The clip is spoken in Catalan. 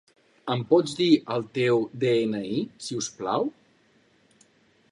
Em pots dir el teu de-ena-i, si us plau?